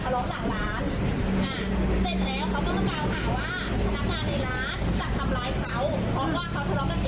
พอมาเมื่อวานเขาถือมีดเข้ามาตามล่า